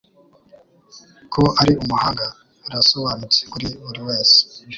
Ko ari umuhanga birasobanutse kuri buri wese.